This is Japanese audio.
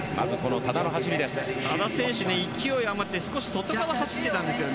多田選手勢い余って少し外側を走っていたんですよね。